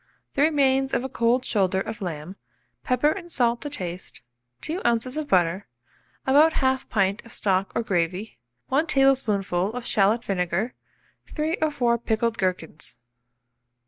The remains of a cold shoulder of lamb, pepper and salt to taste, 2 oz. of butter, about 1/2 pint of stock or gravy, 1 tablespoonful of shalot vinegar, 3 or 4 pickled gherkins.